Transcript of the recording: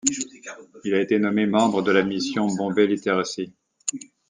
Il a été nommé membre de la mission Bombay Literacy.